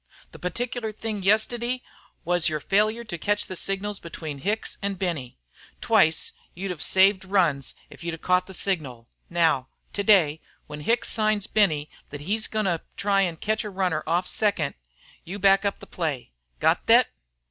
The particular thing yestiddy was your failure to catch the signals between Hicks an' Benny. Twice you'd have saved runs if you'd caught the signal. Now, today, when Hicks signs Benny thet he's goin' to try to catch the runner off second, you back up the play. Got thet?"